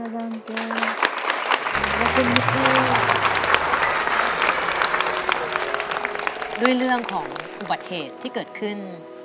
เรื่องของอุบัติเหตุที่เกิดขึ้น